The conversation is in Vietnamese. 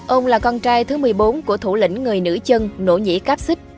ông là con trai thứ một mươi bốn của thủ lĩnh người nữ chân nỗ nhĩ cáp xích